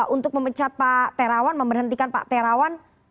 untuk memecat pak terawan memberhentikan pak terawan